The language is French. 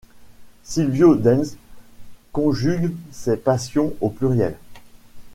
Silvio Denz conjugue ses passions au pluriel.